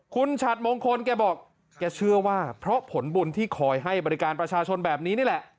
คุณฉัดมงคลแกบอกแกเชื่อว่าเพราะผลบุญที่คอยให้บริการประชาชนแบบนี้นี่แหละ